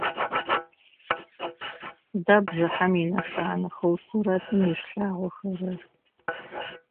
Сыда бжыхьэм инэшанэхэу сурэтым ишъулъагъохэрэр?